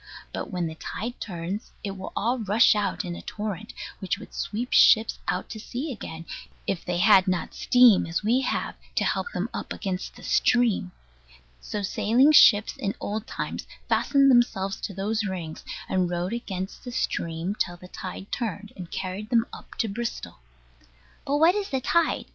But when the tide turns, it will all rush out in a torrent which would sweep ships out to sea again, if they had not steam, as we have, to help them up against the stream. So sailing ships, in old times, fastened themselves to those rings, and rode against the stream till the tide turned, and carried them up to Bristol. But what is the tide?